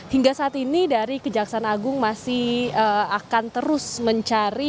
hingga saat ini dari kejaksaan agung masih akan terus mencari